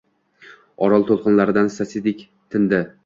Orol toʻlqinlarin sasidek tindi.